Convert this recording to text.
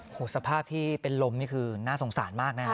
โอ้โหสภาพที่เป็นลมนี่คือน่าสงสารมากนะฮะ